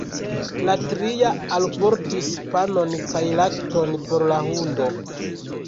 La tria alportis panon kaj lakton por la hundo.